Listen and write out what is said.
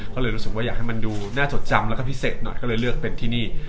ก็เลยรู้สึกว่าอยากให้มันดูน่าจดจำแล้วก็พิเศษหน่อยก็เลยเลือกเป็นที่นี่